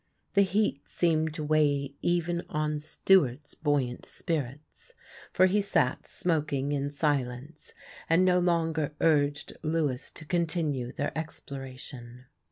The heat seemed to weigh even on Stewart's buoyant spirits, for he sat smoking in silence, and no longer urged Lewis to continue their exploration.